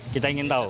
kita ingin tahu